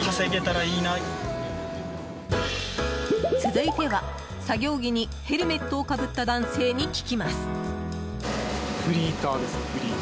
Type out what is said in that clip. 続いては、作業着にヘルメットをかぶった男性に聞きます。